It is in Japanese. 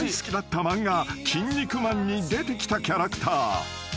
漫画『キン肉マン』に出てきたキャラクター］